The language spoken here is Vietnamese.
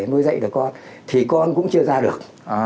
nuôi dạy được con thì con cũng chưa ra được